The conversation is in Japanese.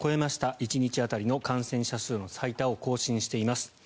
１日当たりの感染者数の最多を更新しています。